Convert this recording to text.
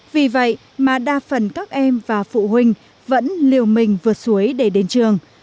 vì vậy mà đa phần các em và phụ huynh vẫn liều mình vượt suối để đến trường